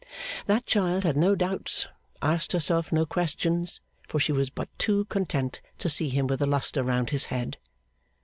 That child had no doubts, asked herself no question, for she was but too content to see him with a lustre round his head.